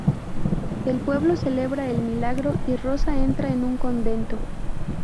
El pueblo celebra el milagro y Rosa entra en un convento.